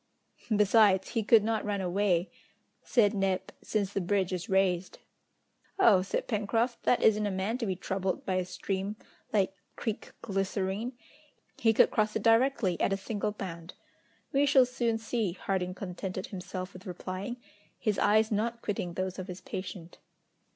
"Besides, he could not run away," said Neb, "since the bridge is raised." "Oh!" said Pencroft, "that isn't a man to be troubled by a stream like Creek Glycerine! He could cross it directly, at a single bound!" "We shall soon see," Harding contented himself with replying, his eyes not quitting those of his patient.